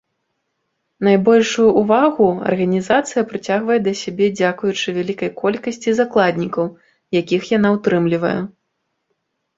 Найбольшую ўвагу арганізацыя прыцягвае да сябе дзякуючы вялікай колькасці закладнікаў, якіх яна ўтрымлівае.